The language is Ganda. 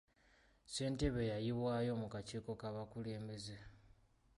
Ssentebe yayiibwayo mu kakiiko k'abakulembeze.